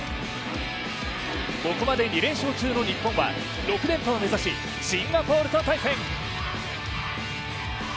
ここまで２連勝中の日本は６連覇を目指しシンガポールと対戦。